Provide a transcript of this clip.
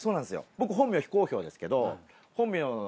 僕本名非公表ですけど。